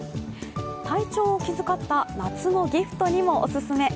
体調を気遣った夏のギフトにもオススメ。